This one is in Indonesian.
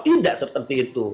tidak seperti itu